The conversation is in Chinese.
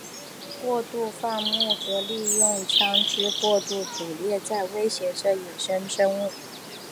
过度放牧和利用枪枝过度捕猎在威胁着野生生物。